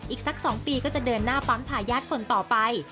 อีกสัก๒ปีก็จะเดินหน้าปั๊มทายาทคนต่อไป